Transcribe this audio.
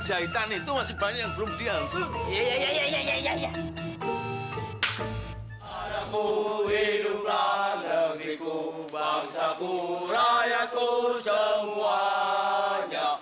jahitan itu masih banyak ya iya iya iya iya iya aku hiduplah negeriku bangsa kurayaku semuanya